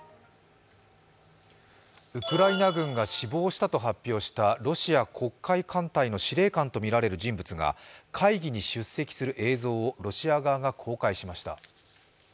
ウクライナ軍が死亡したと発表したロシア黒海艦隊の司令官とみられる人物が会議に出席する映像をロシア側が公開しました